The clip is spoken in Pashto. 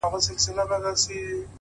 پرتكه سپينه پاڼه وڅڅېدې ـ